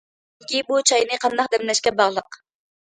چۈنكى، بۇ چاينى قانداق دەملەشكە باغلىق.